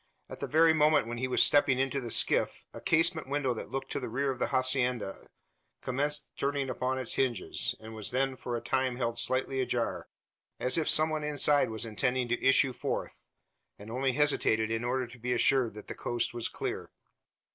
At the very moment when he was stepping into the skiff, a casement window that looked to the rear of the hacienda commenced turning upon its hinges, and was then for a time held slightly ajar; as if some one inside was intending to issue forth, and only hesitated in order to be assured that the "coast was clear."